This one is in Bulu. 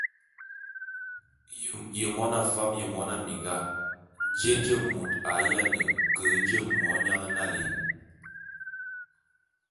Ye mona fam ye mona minga, jé nje môt a ye ke je monyan nalé?